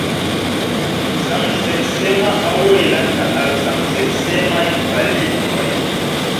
Samseksema aŭ rilata al samseksemaj kvalitoj.